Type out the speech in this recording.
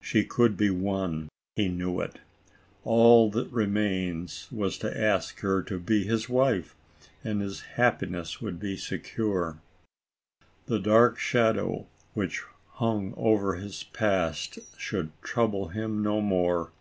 She could be won ; he knew it. All that remained was to ask her to be his wife, and his happiness would be secure. The dark, shadow which hung over his past, should trouble him no more.